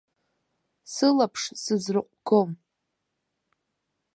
Сылаԥш сызрыҟәгом.